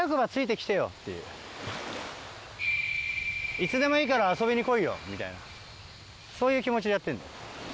いつでもいいから遊びに来いよみたいなそういう気持ちでやってんだよ。